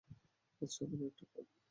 সাধারণ একটা গাড়ি।